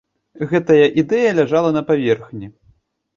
Гэтая ідэя ляжала на паверхні!